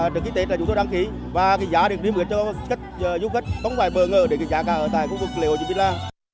trước khi tết là chúng tôi đăng ký và giảm được đi mượt cho các du khách không phải bờ ngờ để giảm cả ở tại khu vực lễ hội trịnh bích la